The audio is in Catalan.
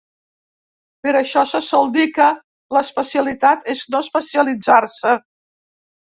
Per això se sol dir que l'especialitat és no especialitzar-se.